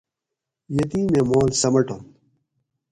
یتمیں مال سمٹنت